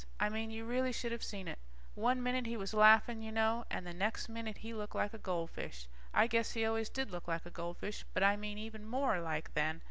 I mean you really should of seen it. One minute he was laughing you know, and the next minute he looked like a goldfish. I guess he always did look like a goldfish, but I mean even more like, then.